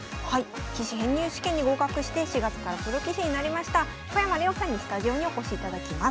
棋士編入試験に合格して４月からプロ棋士になりました小山怜央さんにスタジオにお越しいただきます。